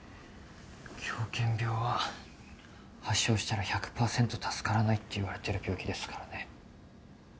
狂犬病は発症したら１００％助からないっていわれてる病気ですからね。